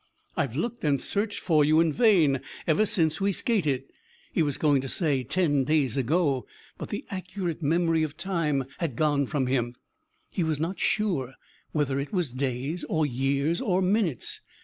I've looked and searched for you in vain ever since we skated " he was going to say "ten days ago," but the accurate memory of time had gone from him; he was not sure whether it was days or years or minutes.